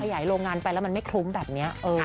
ยายโรงงานไปแล้วมันไม่คลุ้มแบบนี้